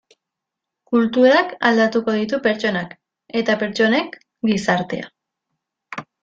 Kulturak aldatuko ditu pertsonak eta pertsonek gizartea.